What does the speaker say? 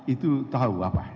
itu tahu apa